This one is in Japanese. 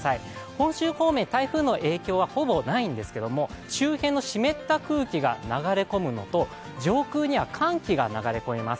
本州方面、台風の影響はほぼないんですけれども、周辺の湿った空気が流れ込むのと流れ込むのと、上空には寒気が流れ込みます